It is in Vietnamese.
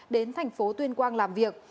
đến thành phố tuyên quang làm việc